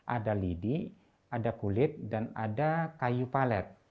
ada lidi ada kulit dan ada kayu palet